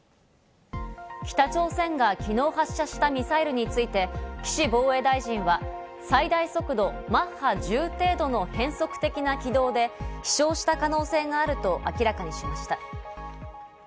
北朝鮮が昨日発射したミサイルについて、岸防衛大臣は最大速度マッハ１０程度の変則的な軌道で飛翔した可能性があると明らかにしました。